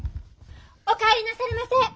お帰りなされませ。